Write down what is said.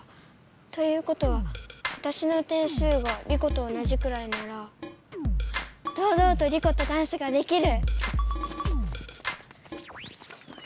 ということはわたしの点数がリコと同じくらいならどうどうとリコとダンスができる！